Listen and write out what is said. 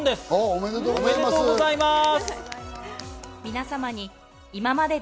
おめでとうございます。